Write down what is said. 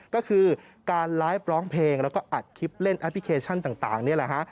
ก็คือการไลฟ์ร้องเพลงแล้วก็อัดคลิปเล่นแอปพลิเคชันต่างนี่แหละฮะ